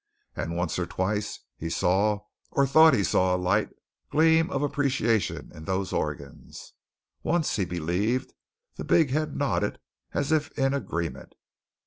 And once, twice, he saw or thought he saw a light gleam of appreciation in those organs; once, he believed, the big head nodded as if in agreement.